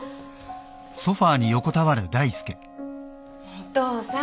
お父さん。